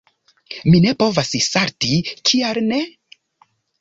Mi ne povas salti. Kial ne?